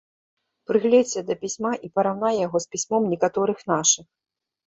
Прыгледзься да пісьма і параўнай яго з пісьмом некаторых нашых.